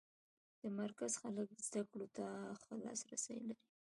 د مرکز خلک زده کړو ته ښه لاس رسی لري.